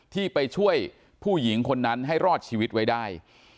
ที่ไปช่วยผู้หญิงคนนั้นให้รอดชีวิตไว้ได้